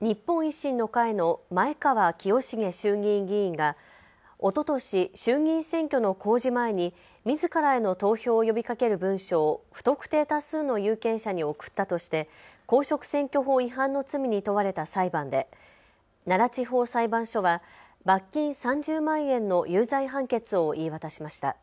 日本維新の会の前川清成衆議院議員がおととし衆議院選挙の公示前にみずからへの投票を呼びかける文書を不特定多数の有権者に送ったとして公職選挙法違反の罪に問われた裁判で奈良地方裁判所は罰金３０万円の有罪判決を言い渡しました。